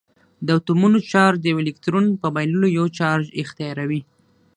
د اتومونو چارج د یوه الکترون په بایللو یو چارج اختیاروي.